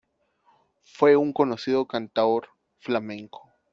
Fue un conocido cantaor flamenco.